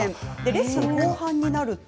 レッスン後半のころになると。